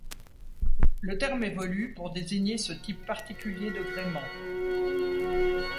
Le terme évolue pour désigner ce type particulier de gréement.